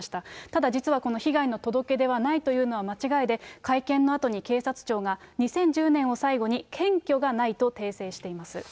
ただ実は、この被害の届け出はないというのは間違いで、会見のあとに警察庁が、２０１０年を最後に検挙がないと訂正しています。